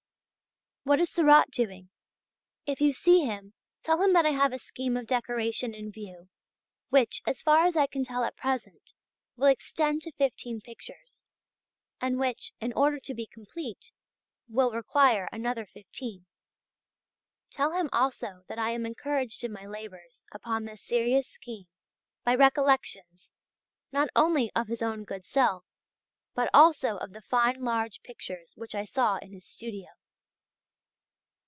What is Seurat doing? If you see him, tell him that I have a scheme of decoration in view which, as far as I can tell at present, will extend to fifteen pictures, and which, in order to be complete, will require another fifteen. Tell him also that I am encouraged in my labours upon this serious scheme by recollections, not only of his own good self, but also of the fine large pictures which I saw in his studio.